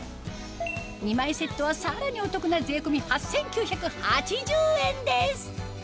２枚セットはさらにお得な税込み８９８０円です